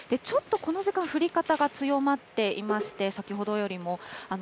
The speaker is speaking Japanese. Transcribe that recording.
ちょっとこの時間、降り方が強まっていまして、先ほどよりも。